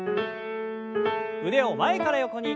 腕を前から横に。